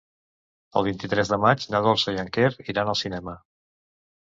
El vint-i-tres de maig na Dolça i en Quer iran al cinema.